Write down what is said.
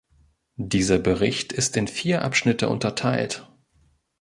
Dieser Bericht ist in vier Abschnitte unterteilt.